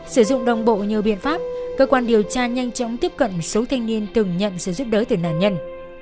sử dụng đồng bộ nhiều biện pháp cơ quan điều tra nhanh chóng tiếp cận số thanh niên từng nhận sự giúp đỡ từ nạn nhân